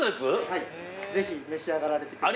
はいぜひ召し上がられてください